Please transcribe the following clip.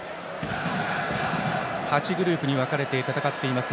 ８グループに分かれて戦っています。